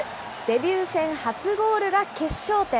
デビュー戦初ゴールが決勝点。